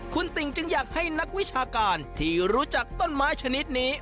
คุณติ่งจึงอยากให้นักวิชาการที่รู้จักต้นไม้ชนิดนี้